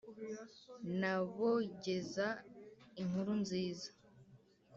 n’abogeza inkuru nziza